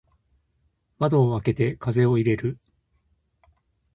窓を開けて風を入れる。